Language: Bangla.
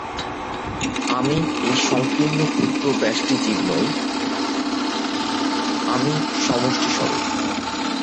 আমি এই সঙ্কীর্ণ ক্ষুদ্র ব্যষ্টি জীব নই, আমি সমষ্টিস্বরূপ।